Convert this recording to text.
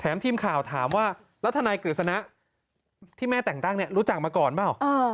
ทีมข่าวถามว่าแล้วทนายกฤษณะที่แม่แต่งตั้งเนี่ยรู้จักมาก่อนเปล่า